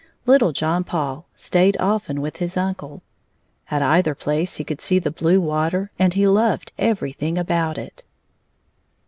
Little John Paul stayed often with his uncle. At either place he could see the blue water, and he loved everything about it.